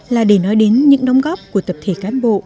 là để nói đến những đóng góp của tập thể cán bộ